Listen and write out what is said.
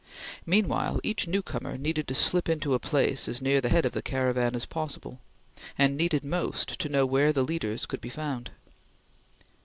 Meanwhile each newcomer needed to slip into a place as near the head of the caravan as possible, and needed most to know where the leaders could be found.